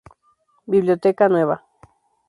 Biblioteca Nueva.